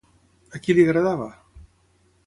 A qui li agradava?